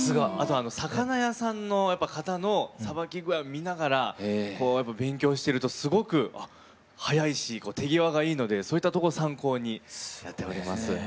あと魚屋さんの方のさばき具合を見ながら勉強してるとすごくはやいし手際がいいのでそういったとこ参考にやっております。